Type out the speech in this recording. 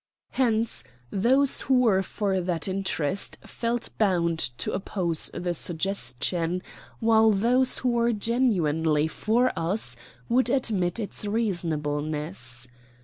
Hence those who were for that interest felt bound to oppose the suggestion, while those who were genuinely for us would admit its reasonableness.